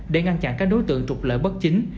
để ngăn chặn các đối tượng trục lợi bất chính